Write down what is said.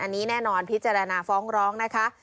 อันนี้แน่นอนพิจารณาฟ้องร้องนะคะ